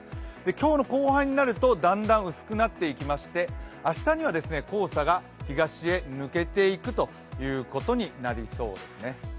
今日の後半になるとだんだん薄くなってきまして明日には黄砂が東へ抜けていくということになりそうです。